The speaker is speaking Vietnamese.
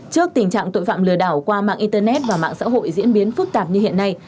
trước tình trạng tội phạm lừa đảo qua mạng internet và mạng xã hội diễn biến phức tạp như hiện nay